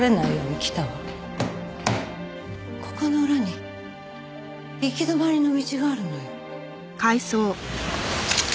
ここの裏に行き止まりの道があるのよ。